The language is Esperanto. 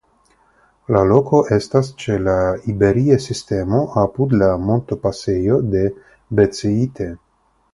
La loko estas ĉe la Iberia Sistemo apud la montopasejo de Beceite.